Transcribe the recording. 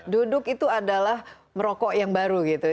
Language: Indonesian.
duduk itu adalah merokok yang baru gitu